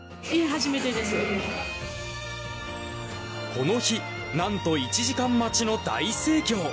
この日なんと１時間待ちの大盛況！